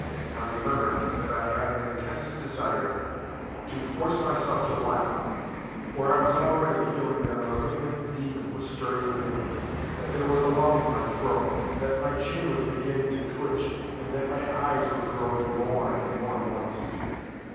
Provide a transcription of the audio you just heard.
I remem bered that I had an intense desire to force myself to laugh, for I was already feeling that a malignant demon was stirring within me, that there was a lump in my throat, that my chin was beginning to twitch, and that my eyes were growing more and more moist.